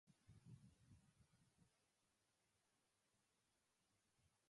The supporting sentences come after the topic sentence, and they explain the topic sentence.